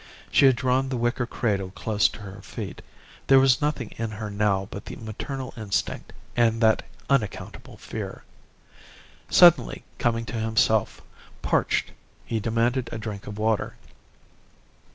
She had drawn the wicker cradle close to her feet. There was nothing in her now but the maternal instinct and that unaccountable fear. "Suddenly coming to himself, parched, he demanded a drink of water.